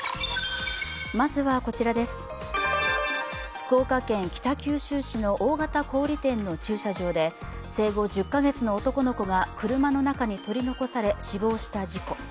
福岡県北九州市の大型小売店の駐車場で、生後１０か月の男の子が車の中に取り残され、死亡した事故。